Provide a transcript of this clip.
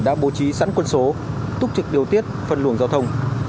đã bố trí sẵn quân số túc trực điều tiết phân luồng giao thông